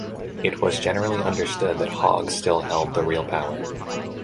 It was generally understood that Hague still held the real power.